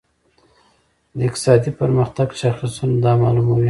د اقتصادي پرمختګ شاخصونه دا معلوموي.